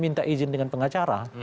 minta izin dengan pengacara